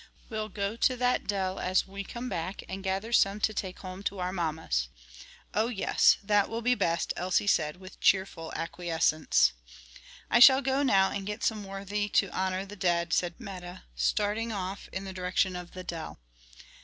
We'll go to that dell as we come back, and gather some to take home to our mammas." "Oh yes, that will be best," Elsie said, with cheerful acquiescence. "I shall go now and get some worthy to honor the dead," said Meta, starting off in the direction of the dell.